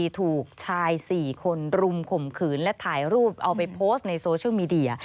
ถูกชาย๔คนรุมข่มขืนและถ่ายรูปเอาไปโพสต์ในโซเชียลมีเดีย